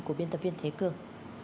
của biên tập viên thế cường